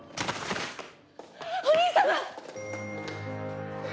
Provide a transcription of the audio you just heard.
お兄様！